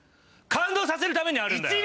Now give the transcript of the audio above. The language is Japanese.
感動させるためにあるんだよ！